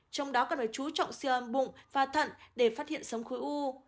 trong đó cần phải chú trọng siêu âm bụng và thận để phát hiện sống khối u